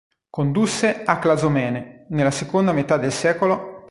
Condusse a Clazomene, nella seconda metà del sec.